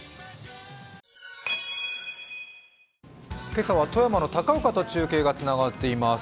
今朝は富山の高岡と中継がつながっています。